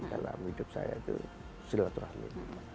dalam hidup saya itu silaturahmi